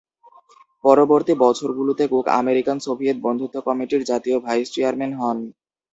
পরবর্তী বছরগুলোতে Cook American Soviet বন্ধুত্ব কমিটির জাতীয় ভাইস চেয়ারম্যান হন।